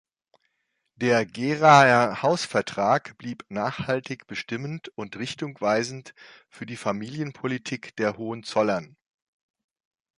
Der Geraer Hausvertrag blieb nachhaltig bestimmend und richtungsweisend für die Familienpolitik der Hohenzollern.